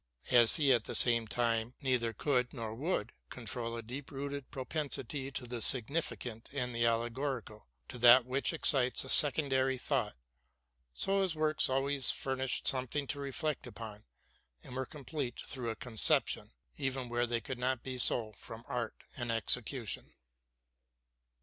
As he at the same time neither could nor would control a deep rooted propensity to the significant and the allegorical—to that which excites a secondary thought, so his works always furnished something to reflect upon, and were complete through a conception, even where they could not be so from art and execution.